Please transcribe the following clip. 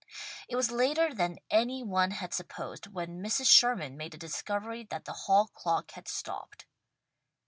It was later than any one had supposed when Mrs. Sherman made the discovery that the hall clock had stopped.